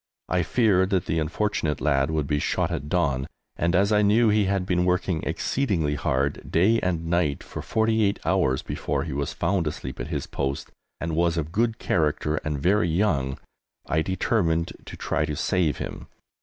I feared that the unfortunate lad would be shot at dawn, and as I knew he had been working exceedingly hard, day and night, for 48 hours before he was found asleep at his post, and was of good character and very young, I determined to try to save him.